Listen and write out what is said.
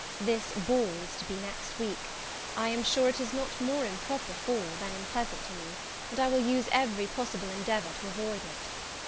This ball is to be next week. I am sure it is not more improper for, than unpleasant to me, and I will use every possible endeavour to avoid it.